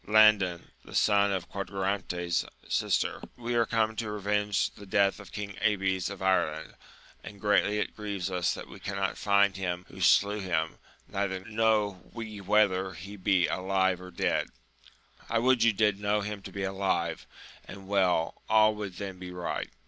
Landing the son of Quadragante^s sister. We are comi^to 14 AMADIS OF GAUL. revenge the death of King Abies of Ireland, and greatly it grieves us that we cannot find him who slew him, neither know we whether he be alive or dead. Quoth Lisuarte, I would you did know him to be alive and well ! all would then be right.